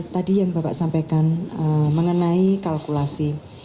tadi yang bapak sampaikan mengenai kalkulasi